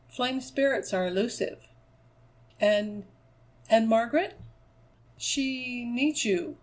Flame spirits are elusive." "And and Margaret?" "She needs you.